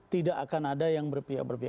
tidak akan ada yang berpia pia